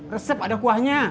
resep ada kuahnya